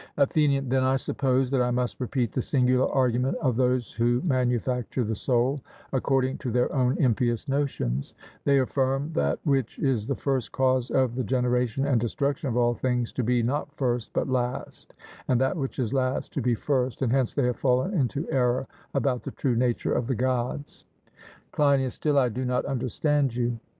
ATHENIAN: Then I suppose that I must repeat the singular argument of those who manufacture the soul according to their own impious notions; they affirm that which is the first cause of the generation and destruction of all things, to be not first, but last, and that which is last to be first, and hence they have fallen into error about the true nature of the Gods. CLEINIAS: Still I do not understand you.